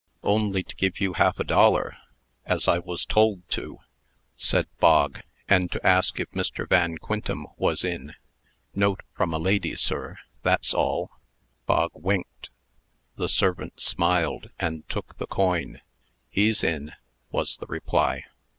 "Only to give you half a dollar, as I was told to," said Bog, "and to ask if Mr. Van Quintem was in. Note from a lady, sir; that's all." Bog winked. The servant smiled, and took the coin. "He's in," was the reply.